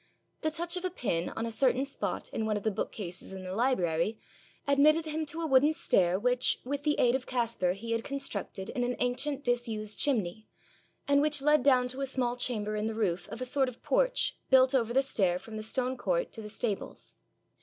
The touch of a pin on a certain spot in one of the bookcases in the library, admitted him to a wooden stair which, with the aid of Caspar, he had constructed in an ancient disused chimney, and which led down to a small chamber in the roof of a sort of porch built over the stair from the stone court to the stables.